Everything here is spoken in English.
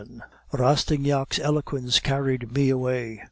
"Rastignac's eloquence carried me away.